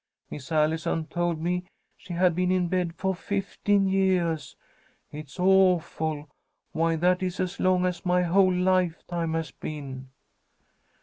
Miss Allison told me she had been in bed for fifteen yeahs! It's awful! Why, that is as long as my whole lifetime has been."